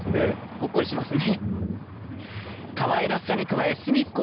ほっこりしますね。